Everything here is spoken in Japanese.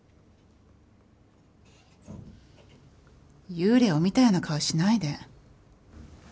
幽霊を見たような顔しないで。